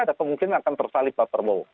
ada kemungkinan akan tersalib pak probo